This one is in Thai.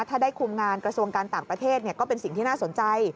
ถ้าได้คุมงานกระทรวงการต่างประเทศก็เป็นสิ่งที่น่าสนใจ